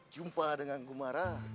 jumpa dengan kumara